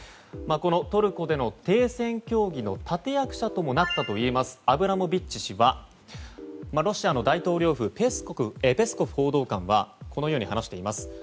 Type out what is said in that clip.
このトルコでの停戦協議の立役者ともなったといえますアブラモビッチ氏はロシアの大統領府ペスコフ報道官はこのように話しています。